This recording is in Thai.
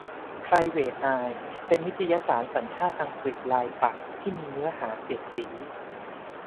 ไพรเวท อายส์ เป็นนิตยสารสัญชาติอังกฤษรายปักษ์ที่มีเนื้อหาเสียดสี